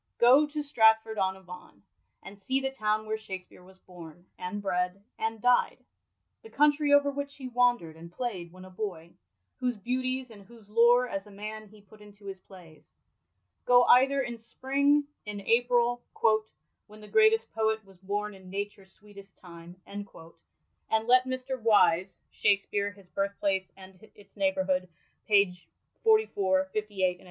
Go to Stratford on Avon, and see the town where Shakspere was bom, and bred, and died ; the country over which he wandei d and playd when a boy, whose beauties and whose lore, as a man, he put into his plays. Go either in spring, in April, "when the greatest poet was bom in Nature's sweetest time," and let Mr. Wise (Shakespeare: his Birthplace and its Neighbourhood^ pp. 44, 68, &c.)